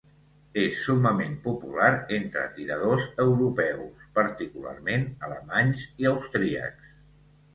És summament popular entre tiradors europeus, particularment alemanys i austríacs.